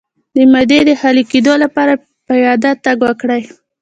د معدې د خالي کیدو لپاره پیاده تګ وکړئ